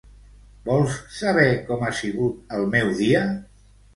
Vols saber com ha sigut el meu dia?